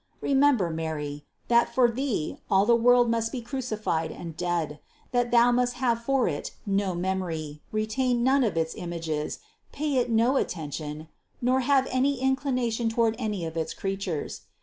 Remember, Mary, that for thee all the world must be crucified and dead; that thou must have for it no memory, retain none of its images, pay it no attention, nor have any inclination toward any of its creatures.